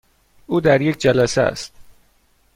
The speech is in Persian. او در یک جلسه است.